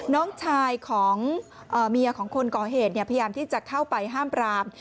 น้องชายของเมียของคนก่อเหตุพยายามที่จะเข้าไปห้ามปราม